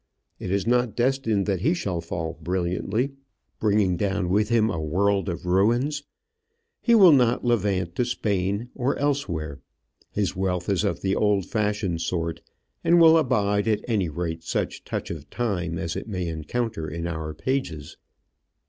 It is not destined that he shall fall brilliantly, bringing down with him a world of ruins. He will not levant to Spain or elsewhere. His wealth is of the old fashioned sort, and will abide at any rate such touch of time as it may encounter in our pages.